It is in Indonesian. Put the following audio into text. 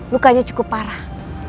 lukanya cukup parah